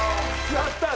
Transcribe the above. やったー！